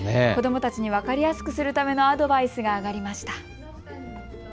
子どもたちに分かりやすくするためのアドバイスが挙がりました。